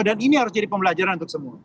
dan ini harus jadi pembelajaran untuk semua